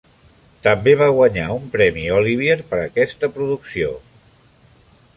També va guanyar un Premi Olivier per aquesta producció.